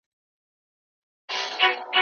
چي څيرلې يې سينې د غليمانو